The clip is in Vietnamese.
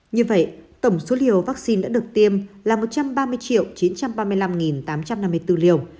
như vậy tổng số liều vaccine đã được tiêm là một trăm ba mươi chín trăm ba mươi năm tám trăm năm mươi bốn liều